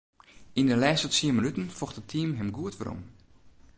Yn 'e lêste tsien minuten focht it team him goed werom.